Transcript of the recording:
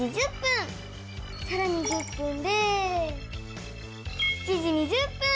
さらに１０分で７時２０分！